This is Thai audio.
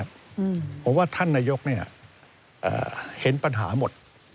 เพราะว่าท่านนายกเห็นปัญหาหมด